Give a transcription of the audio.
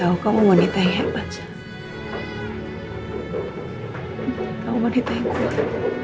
aku tahu kau aku mama you